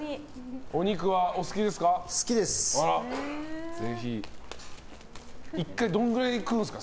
お肉はお好きですか？